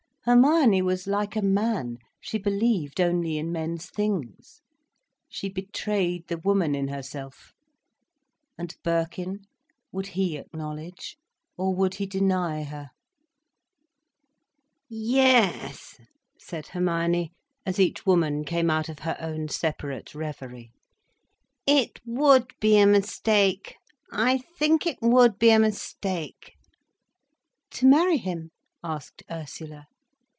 Hermione was like a man, she believed only in men's things. She betrayed the woman in herself. And Birkin, would he acknowledge, or would he deny her? "Yes," said Hermione, as each woman came out of her own separate reverie. "It would be a mistake—I think it would be a mistake—" "To marry him?" asked Ursula.